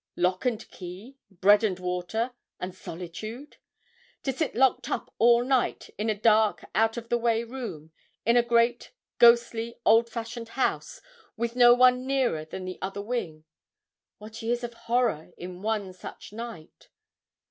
lock and key, bread and water, and solitude! To sit locked up all night in a dark out of the way room, in a great, ghosty, old fashioned house, with no one nearer than the other wing. What years of horror in one such night!